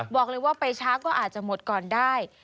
บอกเลยว่าไปช้าก็อาจจะหมดก่อนได้